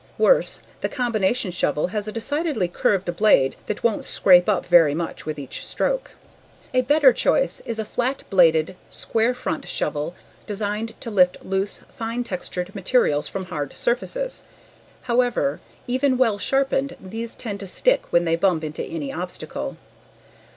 Worse, the combination shovel has a decidedly curved blade that won't scrape up very much with each stroke. A better choice is a flat bladed, square front shovel designed to lift loose, fine textured materials from hard surfaces. However, even well sharpened, these tend to stick when they bump into any obstacle.